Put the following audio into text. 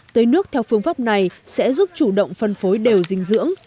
tưới nước theo phương pháp này sẽ giúp chủ động phân phối đều dinh dưỡng